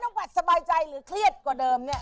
จะให้น้องปัดสบายใจหรือเครียดกว่าเดิมเนี่ย